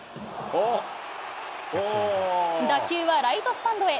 打球はライトスタンドへ。